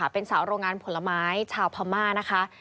เป็นสาวโรงงานผลไม้ชาวพามา